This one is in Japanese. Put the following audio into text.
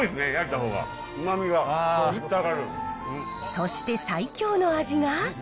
そして最強の味が。